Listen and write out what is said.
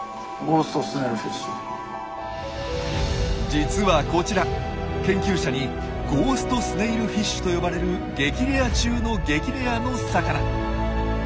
実はこちら研究者にゴーストスネイルフィッシュと呼ばれる激レア中の激レアの魚！